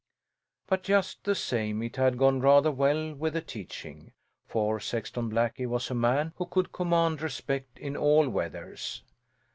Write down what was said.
But just the same it had gone rather well with the teaching; for Sexton Blackie was a man who could command respect in all weathers.